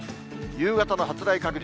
夕方の発雷確率。